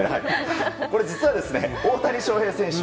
これ、実は大谷翔平選手